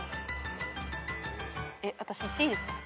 私いっていいですか？